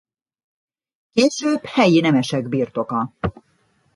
Később helyi nemesek birtoka.